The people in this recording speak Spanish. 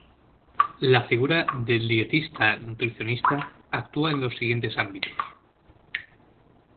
La figura del Dietista-Nutricionista actúa en los siguientes ámbitos.